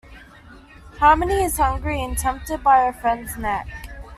Harmony is hungry and tempted by her friend's neck.